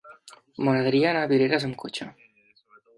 M'agradaria anar a Vidreres amb cotxe.